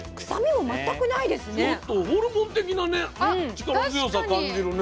力強さ感じるね。